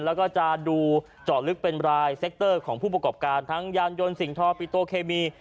แล้วก็จะดูเจาะลึกเป็นรายเซ็กเตอร์ของผู้ประกอบการทั้งยานยนต์สิ่งทอปิโตเคมี